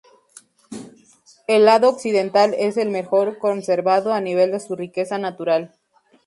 El lado occidental es el mejor conservado a nivel de su riqueza natural.